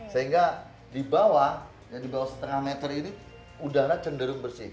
sehingga di bawah yang di bawah setengah meter ini udara cenderung bersih